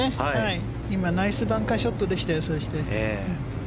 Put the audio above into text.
今ナイスバンカーショットでした。